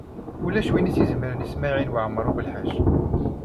Ulac win i s-izemren i Smawil Waɛmaṛ U Belḥaǧ.